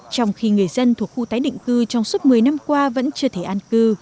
trong khi người dân thuộc khu tái định cư trong suốt một mươi năm qua vẫn chưa thể an cư